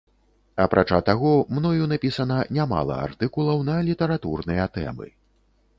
Апрача таго, мною напісана не мала артыкулаў на літаратурныя тэмы.